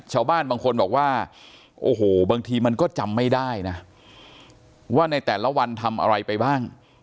ชาวบ้านบางคนบอกว่าโอ้โหบางทีมันก็จำไม่ได้นะว่าในแต่ละวันทำอะไรไปบ้าง